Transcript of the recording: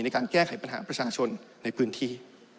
ในการแก้ไขปัญหาประชาชนในพื้นที่